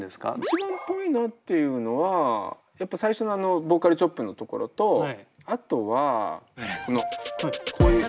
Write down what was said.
一番っぽいなっていうのはやっぱ最初のボーカルチョップのところとあとはこのこういう。